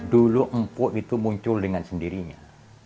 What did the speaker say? dulu empuk itu muncul dengan sendirinya